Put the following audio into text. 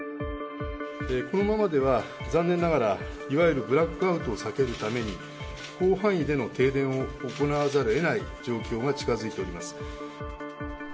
このままでは残念ながら、いわゆるブラックアウトを避けるために、広範囲での停電を行わざるをえない状況が近づいております。